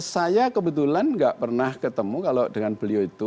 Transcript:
saya kebetulan nggak pernah ketemu kalau dengan beliau itu